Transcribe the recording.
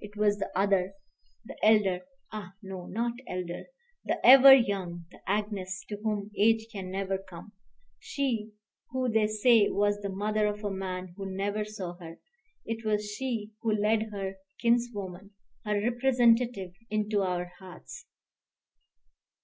It was the other, the elder, ah, no! not elder; the ever young, the Agnes to whom age can never come, she who they say was the mother of a man who never saw her, it was she who led her kinswoman, her representative, into our hearts.